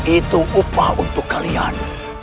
itu upah untuk kalian